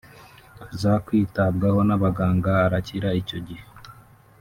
aza kwitabwaho n’abaganga arakira icyo gihe